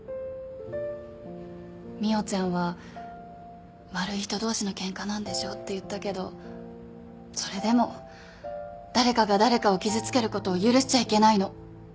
未央ちゃんは「悪い人同士の喧嘩なんでしょ」って言ったけどそれでも誰かが誰かを傷つける事を許しちゃいけないの。